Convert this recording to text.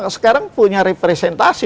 sekarang punya representasi